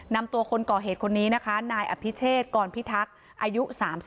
นำตัวคนก่อเหตุคนนี้นะคะนายอภิเชษกรพิทักษ์อายุ๓๒